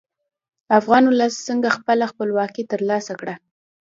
افغان ولس څنګه خپله خپلواکي تر لاسه کړه؟